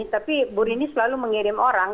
tapi bu rini selalu mengirim orang